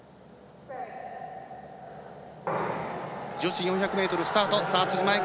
女子４００ｍスタート。